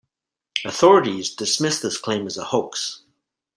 Authorities dismissed this claim as a hoax.